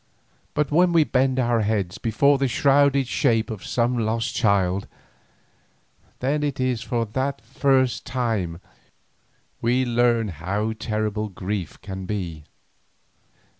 But when we bend our heads before the shrouded shape of some lost child, then it is that for the first time we learn how terrible grief can be.